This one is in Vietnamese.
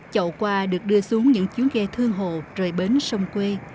chậu qua được đưa xuống những chuyến ghe thương hồ rời bến sông quê